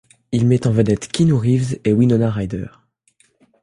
Il met en vedette Keanu Reeves et Winona Ryder.